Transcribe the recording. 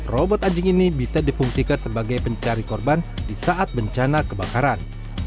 robot anjing ini bisa difungsikan sebagai pencari korban di saat bencana kebakaran